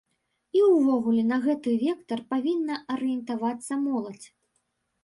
І увогуле на гэты вектар павінна арыентавацца моладзь.